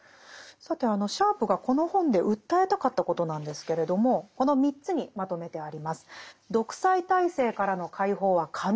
さてシャープがこの本で訴えたかったことなんですけれどもこの３つにまとめてあります。